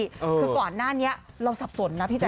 คือก่อนหน้านี้เราสับสนนะพี่แ